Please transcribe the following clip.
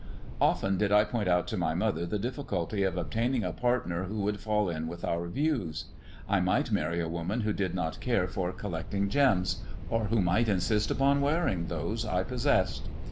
Often did I point out to my mother the difficulty of obtaining a partner who would fall in with our views. I might marry a woman who did not care for collecting gema, or who might insist upon wearing those I possessed.